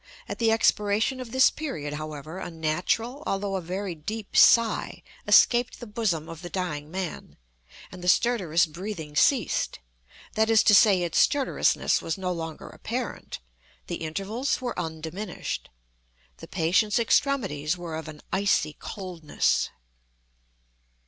At the expiration of this period, however, a natural although a very deep sigh escaped the bosom of the dying man, and the stertorous breathing ceased—that is to say, its stertorousness was no longer apparent; the intervals were undiminished. The patient's extremities were of an icy coldness.